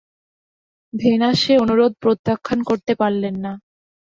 Venous সে অনুরোধ প্রত্যাখ্যান করতে পারলেননা।